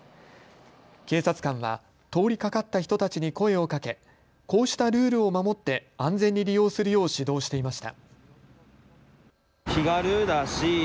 警察官は通りかかった人たちに声をかけ、こうしたルールを守って安全に利用するよう指導していました。